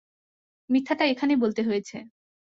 মিথ্যাটা এখানেই বলতে হয়েছে।